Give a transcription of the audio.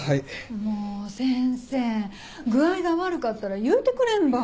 もう先生具合が悪かったら言うてくれんば。